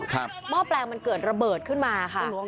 หม้อแปลงมันเกิดระเบิดขึ้นมาค่ะ